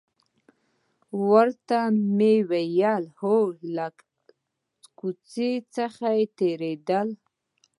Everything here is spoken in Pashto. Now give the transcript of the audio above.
ورته ومې ویل: هو، له کوڅې څخه تېرېدل.